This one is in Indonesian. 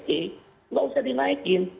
tidak usah dinaikkan